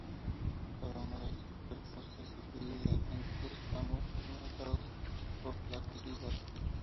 Cada uno de estos cuerpos se subdivide en dos tramos delimitados por placas lisas.